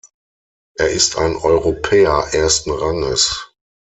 Er ist ein Europäer ersten Ranges.